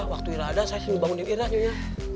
waktu ira ada saya simpul bangunin ira nyonya